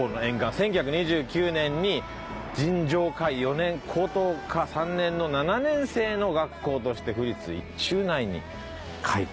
１９２９年に尋常科４年高等科３年の７年制の学校として府立一中内に開校した」